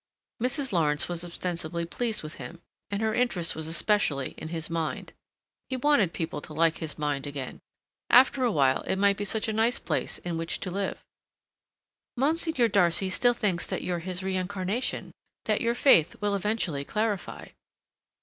Mrs. Lawrence was ostensibly pleased with him, and her interest was especially in his mind; he wanted people to like his mind again—after a while it might be such a nice place in which to live. "Monsignor Darcy still thinks that you're his reincarnation, that your faith will eventually clarify."